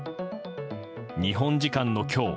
日本時間の今日